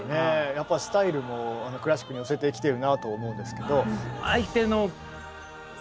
やっぱりスタイルもクラシックに寄せてきてるなと思うんですけど。